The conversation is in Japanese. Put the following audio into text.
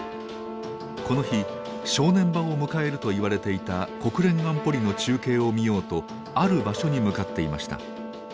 この日正念場を迎えるといわれていた国連安保理の中継を見ようとある場所に向かっていました。